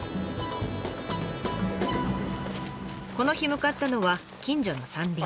この日向かったのは近所の山林。